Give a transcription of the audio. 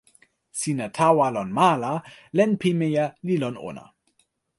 sina tawa lon ma la, len pimeja li lon ona.